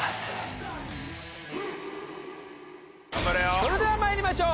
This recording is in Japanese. それでは参りましょう。